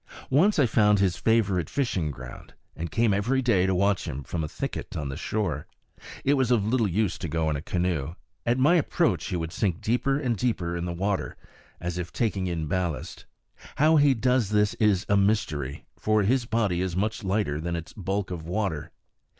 Once I found his favorite fishing ground, and came every day to watch him from a thicket on the shore. It was of little use to go in a canoe. At my approach he would sink deeper and deeper in the water, as if taking in ballast. How he does this is a mystery; for his body is much lighter than its bulk of water.